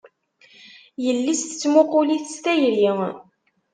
Yelli-s tettmuqul-it s tayri.